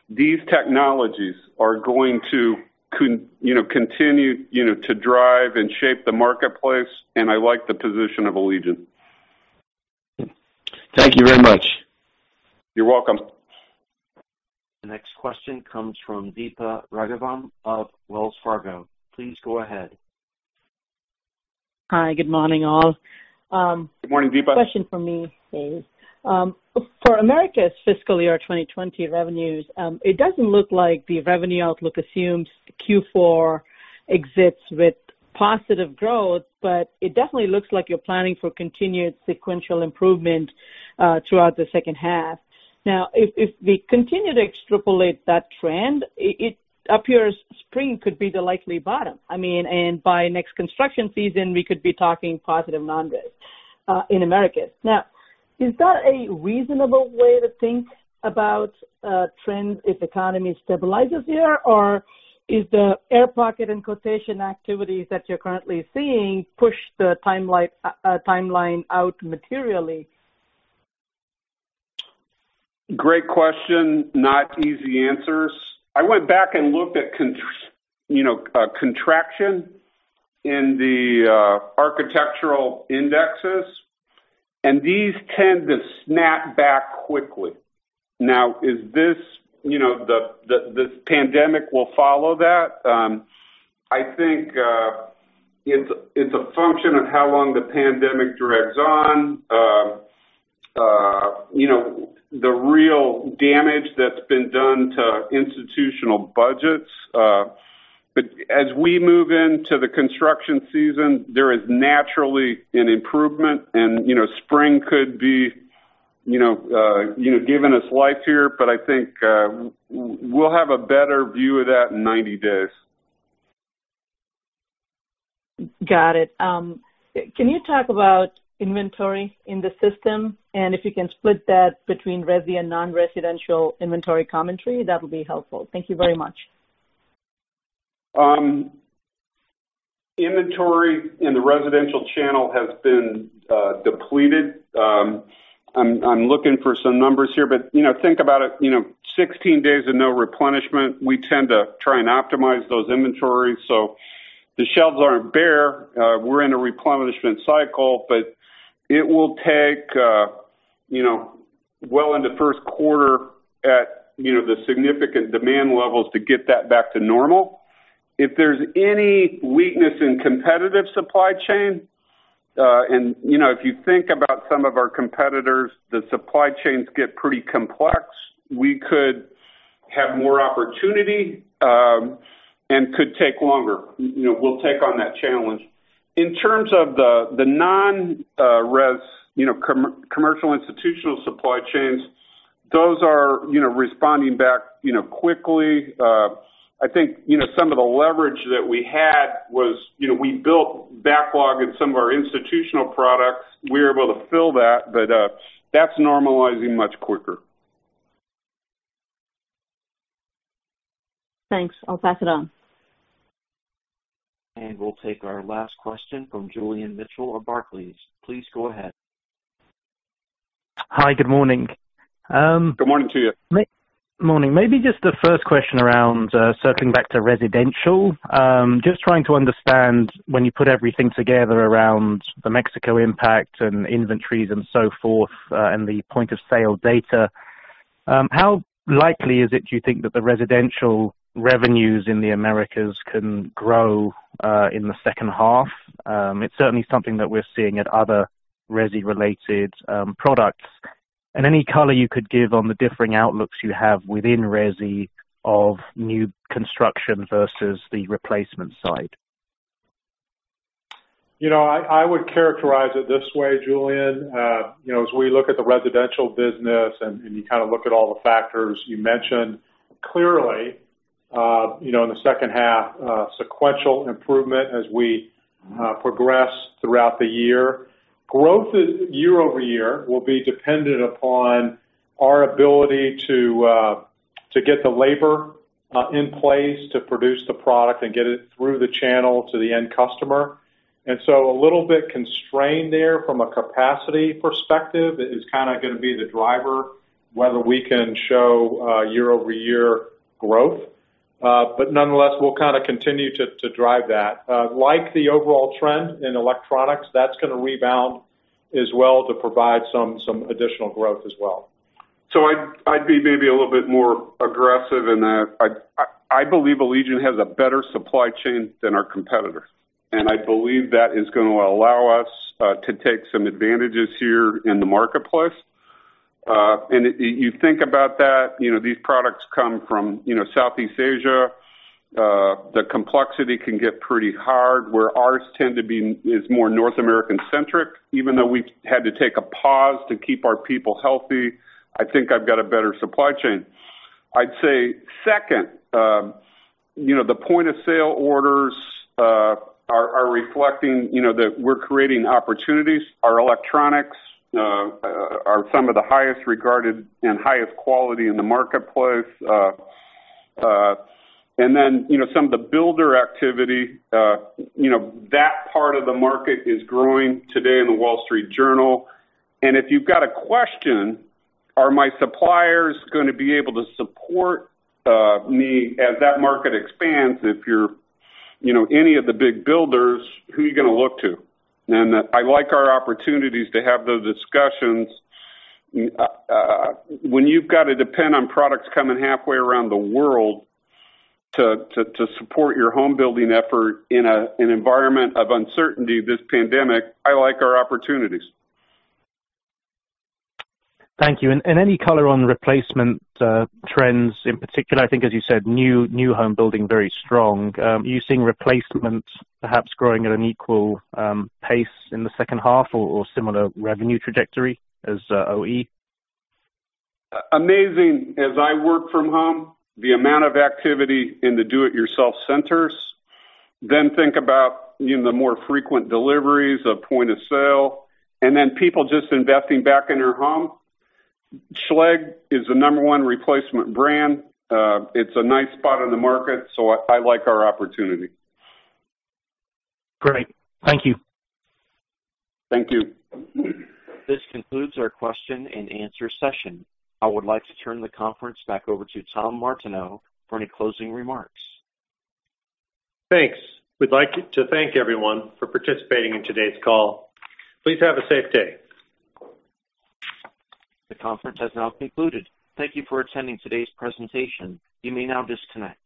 these technologies are going to continue to drive and shape the marketplace, and I like the position of Allegion. Thank you very much. You're welcome. The next question comes from Deepa Raghavan of Wells Fargo. Please go ahead. Hi. Good morning, all. Good morning, Deepa. Question for me is, for Americas fiscal year 2020 revenues, it doesn't look like the revenue outlook assumes Q4 exits with positive growth, but it definitely looks like you're planning for continued sequential improvement throughout the second half. Now, if we continue to extrapolate that trend, it appears spring could be the likely bottom. By next construction season, we could be talking positive non-res in Americas. Now, is that a reasonable way to think about trends if the economy stabilizes here? Or is the air pocket and quotation activities that you're currently seeing push the timeline out materially? Great question. Not easy answers. I went back and looked at contraction in the architectural indexes. These tend to snap back quickly. Now, the pandemic will follow that? I think it's a function of how long the pandemic drags on and the real damage that's been done to institutional budgets. As we move into the construction season, there is naturally an improvement, and spring could be giving us life here, but I think we'll have a better view of that in 90 days. Got it. Can you talk about inventory in the system? If you can split that between resi and non-residential inventory commentary, that would be helpful. Thank you very much. Inventory in the residential channel has been depleted. I'm looking for some numbers here, think about it, 16 days of no replenishment. We tend to try and optimize those inventories. The shelves aren't bare. We're in a replenishment cycle, but it will take well into first quarter at the significant demand levels to get that back to normal. If there's any weakness in competitive supply chain, and if you think about some of our competitors, the supply chains get pretty complex. We could have more opportunity and could take longer. We'll take on that challenge. In terms of the non-res, commercial institutional supply chains, those are responding back quickly. I think some of the leverage that we had was we built backlog in some of our institutional products. We were able to fill that, but that's normalizing much quicker. Thanks. I'll pass it on. We'll take our last question from Julian Mitchell of Barclays. Please go ahead. Hi. Good morning. Good morning to you. Morning. Maybe just the first question around, circling back to residential. Just trying to understand when you put everything together around the Mexico impact and inventories and so forth, and the point of sale data, how likely is it, do you think, that the residential revenues in the Americas can grow in the second half? It's certainly something that we're seeing at other resi-related products. Any color you could give on the differing outlooks you have within resi of new construction versus the replacement side? I would characterize it this way, Julian. As we look at the residential business and you look at all the factors you mentioned, clearly, in the second half, sequential improvement as we progress throughout the year. Growth year-over-year will be dependent upon our ability to get the labor in place to produce the product and get it through the channel to the end customer. A little bit constrained there from a capacity perspective is going to be the driver whether we can show year-over-year growth. Nonetheless, we'll continue to drive that. Like the overall trend in electronics, that's going to rebound as well to provide some additional growth as well. I'd be maybe a little bit more aggressive in that. I believe Allegion has a better supply chain than our competitors, and I believe that is going to allow us to take some advantages here in the marketplace. You think about that, these products come from Southeast Asia. The complexity can get pretty hard, where ours tend to be more North American-centric. Even though we've had to take a pause to keep our people healthy, I think I've got a better supply chain. I'd say second, the point-of-sale orders are reflecting that we're creating opportunities. Our electronics are some of the highest regarded and highest quality in the marketplace. Then some of the builder activity, that part of the market is growing today in The Wall Street Journal. If you've got a question, "Are my suppliers going to be able to support me as that market expands?" If you're any of the big builders, who are you going to look to? I like our opportunities to have those discussions. When you've got to depend on products coming halfway around the world to support your home building effort in an environment of uncertainty, this pandemic, I like our opportunities. Thank you. Any color on replacement trends in particular? I think, as you said, new home building very strong. Are you seeing replacement perhaps growing at an equal pace in the second half or similar revenue trajectory as OE? Amazing, as I work from home, the amount of activity in the do-it-yourself centers. Think about the more frequent deliveries of point of sale, people just investing back in their home. Schlage is the number one replacement brand. It's a nice spot in the market, I like our opportunity. Great. Thank you. Thank you. This concludes our question-and-answer session. I would like to turn the conference back over to Tom Martineau for any closing remarks. Thanks. We'd like to thank everyone for participating in today's call. Please have a safe day. The conference has now concluded. Thank you for attending today's presentation. You may now disconnect.